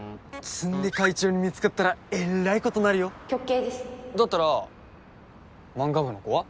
詰出会長に見つかったらえらいことなるよだったら漫画部の子は？